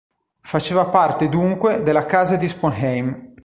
Faceva parte dunque della casa di Sponheim.